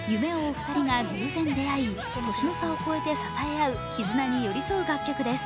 ２人が偶然出会い年の差を超えて支え合う絆に寄り添う楽曲です。